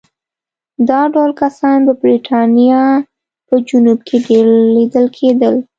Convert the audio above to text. دا ډول کسان په برېټانیا په جنوب کې ډېر لیدل کېدل.